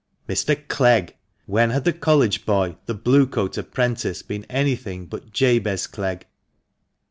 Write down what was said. Mr. Clegg: When had the College boy— the Blue coat apprentice — been anything but Jabez Clegg?